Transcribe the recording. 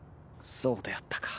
そうであったか。